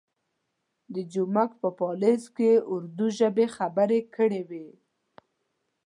د جومک په پالیز کې اردو ژبه خبرې کړې وې.